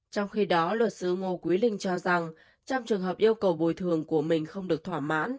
trong khi đó luật sư ngô quý linh cho rằng trong trường hợp yêu cầu bồi thường của mình không được thỏa mãn